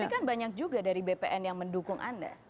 tapi kan banyak juga dari bpn yang mendukung anda